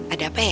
ada apa ya